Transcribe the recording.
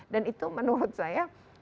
dan itu menurut saya